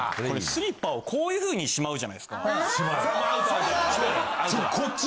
スリッパをこういうふうにしまうじゃないですか。